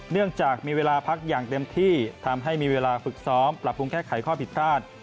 เนื่องจากมีเวลาพักอย่างเต็มที่ทำให้มีเวลาฝึกซ้อมปรับปรุงแก้ไขข้อผิดพลาด